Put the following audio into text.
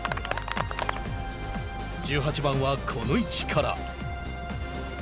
１８番は、この位置から。